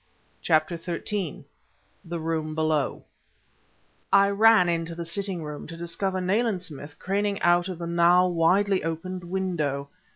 CHAPTER XIII THE ROOM BELOW I ran into the sitting room, to discover Nayland Smith craning out of the now widely opened window.